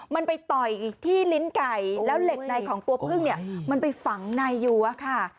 มันไปต่อยอีกที่ลิ้นไก่แล้วเหล็กในของตัวพึ่งเนี่ยมันไปฝังในอยู่อะค่ะ